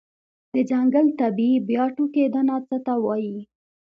د ځنګل طبيعي بیا ټوکیدنه څه ته وایې؟